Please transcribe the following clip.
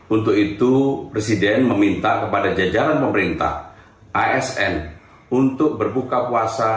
untuk itu presiden meminta kepada jajaran pemerintah asn untuk berbuka puasa